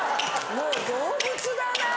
もう動物だなぁ。